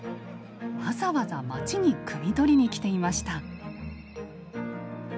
わざわざ町にくみ取りに来ていました。